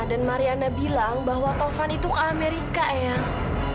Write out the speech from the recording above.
dan mariana bilang bahwa taufan itu ke amerika eyang